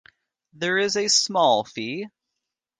There is a small fee.